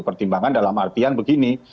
pertimbangan dalam artian begini